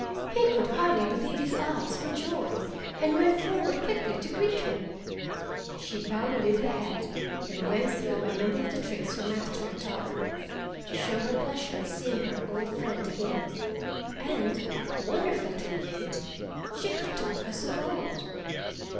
He could hardly believe his eyes for joy, and ran forward quickly to greet her. She bowed her little head and went through a number of the tricks her master had taught her, to show her pleasure at seeing her old friend again, and, wonderful to relate, she could talk as of old.